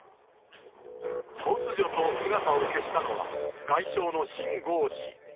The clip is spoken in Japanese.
突如と姿を消したのは、外相の秦剛氏。